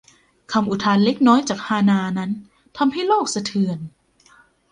คำอุทานเล็กน้อยจากฮานาด์นั้นทำให้โลกสะเทือน